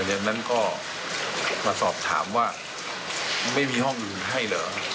ดังนั้นก็มาสอบถามว่าไม่มีห้องอื่นให้เหรอ